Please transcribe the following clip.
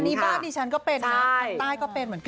อันนี้บ้านนี้ฉันก็เป็นนะน้ำข้างใต้ก็เป็นเหมือนกัน